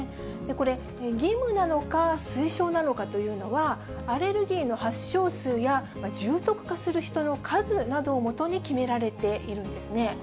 これ、義務なのか、推奨なのかというのは、アレルギーの発症数や、重篤化する人の数などをもとに決められているんですね。